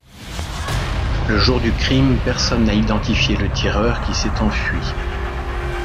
Le jour du crime, personne n'a identifié le tireur, qui s'est enfui.